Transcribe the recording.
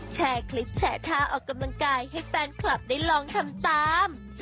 แชร์คลิปแชร์ท่าออกกำลังกายให้แฟนคลับได้ลองทำตาม